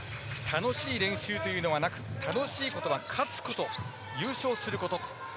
楽しい練習というのはなく楽しいことは勝つこと、優勝すること。